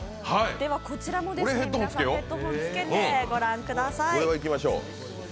こちらもヘッドホンをつけてご覧ください。